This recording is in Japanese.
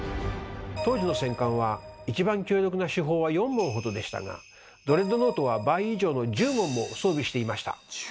当時の戦艦は一番強力な主砲は４門ほどでしたがドレッドノートは倍以上の１０門も装備していました。